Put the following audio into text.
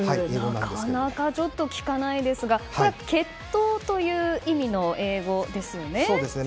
なかなかちょっと聞かないですが決闘という意味の英語ですよね。